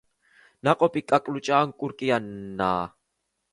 ნაყოფი კაკლუჭა ან კურკიანაა.